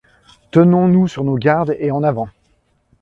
Tenons-nous sur nos gardes, et en avant !